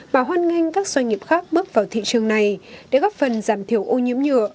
bà hoan nghênh các doanh nghiệp khác bước vào thị trường này để góp phần giảm thiểu ô nhiễm nhựa